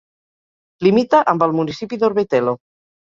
Limita amb el municipi d'Orbetello.